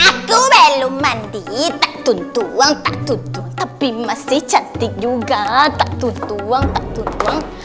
aku belum mandi taktun buang taktun buang tapi masih cantik juga taktun buang taktun buang